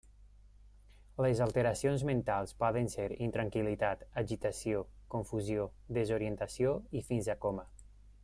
Les alteracions mentals poden ser intranquil·litat, agitació, confusió, desorientació i fins a coma.